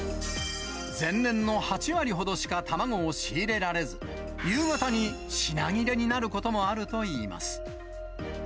前年の８割ほどしか卵を仕入れられず、夕方に品切れになることもあるといいます。